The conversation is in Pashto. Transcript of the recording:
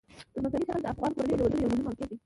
ځمکنی شکل د افغان کورنیو د دودونو یو مهم عنصر دی.